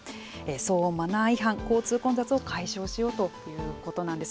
騒音・マナー違反交通混雑を解消しようということなんです。